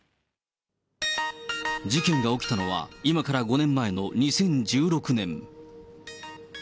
事件が起きたのは、今から５年前の２０１６年。